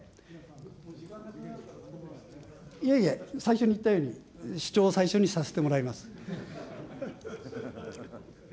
最初に言ったように、主張を最初にさせてもらいます。